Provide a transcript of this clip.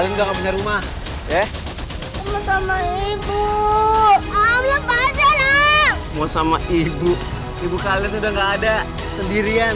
bener gak bener tak mau kita ngelamin